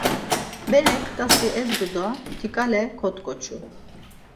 Berek t̆asi ezdu do tigale kot̆ǩoçu.